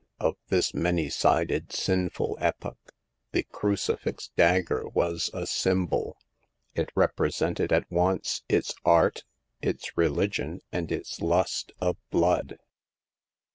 Of this many sided, sinful epoch the crucifix dagger was a symbol ; it represented at once its art, its religion, and its lust of blood.